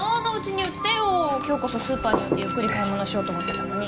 今日こそスーパーに寄ってゆっくり買い物しようと思ってたのに。